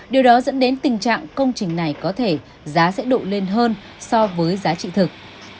điều đó dẫn đến tình trạng công trình này có thể giá sẽ độ lên hơn so với giá trị thực